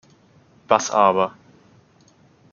Was aber?